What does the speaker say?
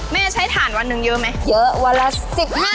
แม่ใช้ถ่านวันหนึ่งเยอะไหม